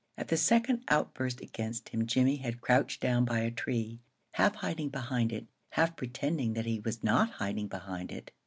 At the second outburst against him Jimmie had crouched down by a tree, half hiding behind it, half pretending that he was not hiding behind it.